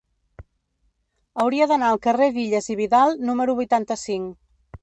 Hauria d'anar al carrer d'Illas i Vidal número vuitanta-cinc.